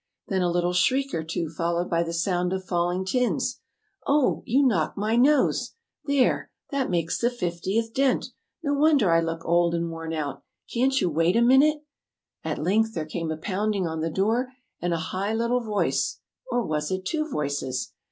(Then a little shriek or two followed by the sound of falling tins.) "Oh, you knocked my nose. There! that makes the fiftieth dent! No wonder I look old and worn out. Can't you wait a minute?" At length there came a pounding on the door, and a high little voice or was it two voices?